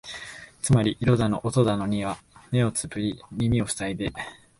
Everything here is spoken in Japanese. つまり色だの音だのには目をつぶり耳をふさいで、